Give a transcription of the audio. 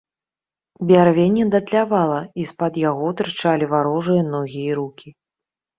Бярвенне датлявала, і з-пад яго тырчалі варожыя ногі і рукі.